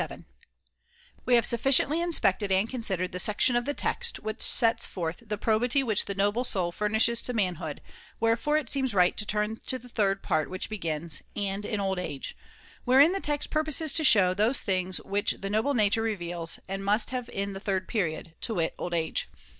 ] We have sufficiently inspected and considered To be a the section of the text which sets forth the blessmg probity which the noble soul furnishes to man °°^^^ hood, wherefore it seems right to turn to the third part which begins : 3°. j^nd in old age, wherein the text purposes to show those things which the noble nature reveals and must have in the third period, [loj to wit old age.